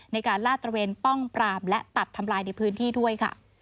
ลาดตระเวนป้องปรามและตัดทำลายในพื้นที่ด้วยค่ะ